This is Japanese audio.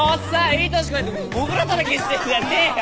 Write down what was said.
いい年こいてモグラたたきしてんじゃねえよ。